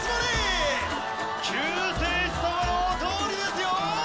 救世主様のお通りですよ！